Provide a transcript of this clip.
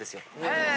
へえ。